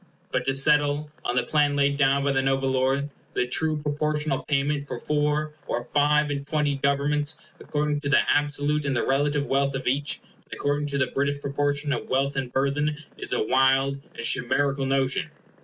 But to settle, on the plan laid down by the noble lord, the true proportional payment for four or five and twenty governments according to the absolute and the relative wealth of each, and according to the British proportion of wealth and burthen, is a wild and chimerical notion.